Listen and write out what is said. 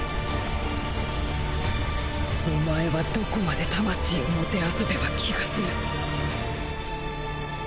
お前はどこまで魂を弄べば気が済む。